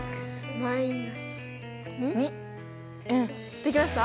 できました？